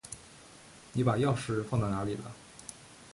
你把钥匙放到哪里了？